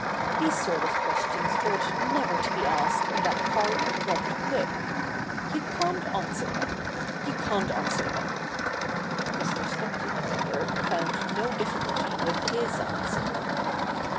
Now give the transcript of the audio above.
' These sort of questions ought never to be asked in that hard abrupt way. You can't answer them — you can't answer them.' Mr. Stockton, however, found no difficulty with his answer.